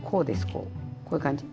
こうこういう感じ。